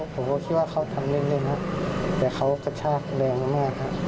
ผมก็ว่าเขาทำเนี่ยครับแต่กระชากแรงมากครับ